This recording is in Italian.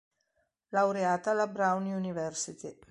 Laureata alla Brown University.